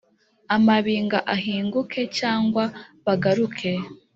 Amabinga ahinguke cg bagaruke